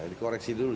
jadi koreksi dulu